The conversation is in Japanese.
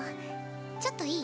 ちょっといい？